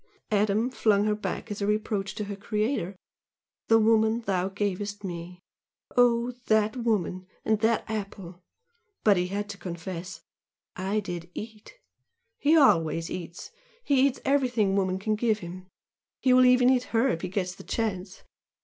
Adam flung her back as a reproach to her Creator 'the woman thou gavest me;' oh, that woman and that apple! But he had to confess 'I did eat.' He always eats, he eats everything woman can give him he will even eat HER if he gets the chance!"